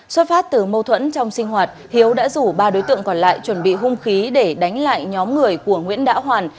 xuất phát từ mâu thuẫn trong sinh hoạt hiếu đã rủ ba đối tượng còn lại chuẩn bị hung khí để đánh lại nhóm người của nguyễn đã hoàn